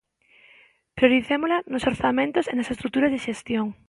Prioricémola nos orzamentos e nas estruturas de xestión.